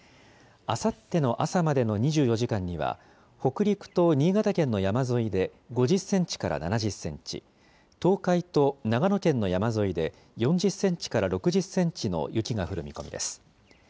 あさっての朝までの２４時間には、北陸と新潟県の山沿いで５０センチから７０センチ、東海と長野県の山沿いで４０センチから６０センチの雪が降る見込みです。